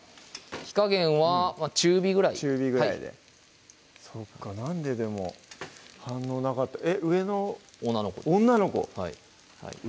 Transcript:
火加減は中火ぐらい中火ぐらいでそっかなんででも反応なかったえっ上の女の子です